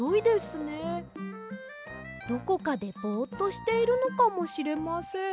どこかでボっとしているのかもしれません。